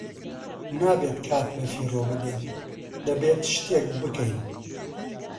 نابێت کات بەفیڕۆ بدەین - دەبێت شتێک بکەین!